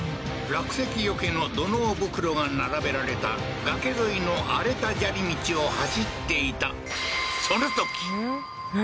落石避けの土のう袋が並べられた崖沿いの荒れた砂利道を走っていたん？